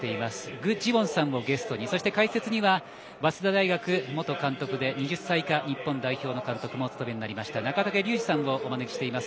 具智元さんをゲストに解説には早稲田大学元監督で２０歳以下日本代表監督もお務めになりました中竹竜二さんをお招きしています。